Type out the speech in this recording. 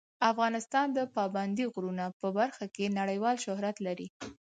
افغانستان د پابندی غرونه په برخه کې نړیوال شهرت لري.